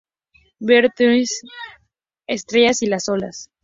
Between the Stars and the Waves Entre las estrellas y las olas.